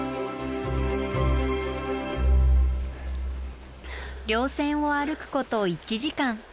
いやいや稜線を歩くこと１時間。